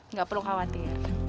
nggak perlu khawatir